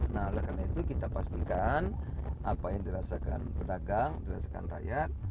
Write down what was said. nah oleh karena itu kita pastikan apa yang dirasakan pedagang dirasakan rakyat